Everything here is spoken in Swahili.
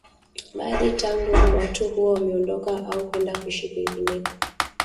Baadhi tangu wakati huo wameondoka au kwenda kuishi kwingineko